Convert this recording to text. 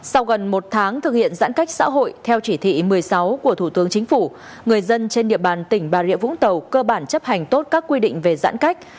sau gần một tháng thực hiện giãn cách xã hội theo chỉ thị một mươi sáu của thủ tướng chính phủ người dân trên địa bàn tỉnh bà rịa vũng tàu cơ bản chấp hành tốt các quy định về giãn cách